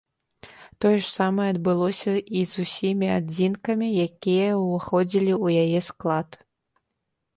Тое ж самае адбылося і з усімі адзінкамі, якія ўваходзілі ў яе склад.